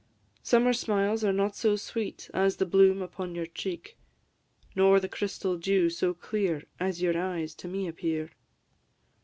Summer smiles are not so sweet As the bloom upon your cheek; Nor the crystal dew so clear As your eyes to me appear.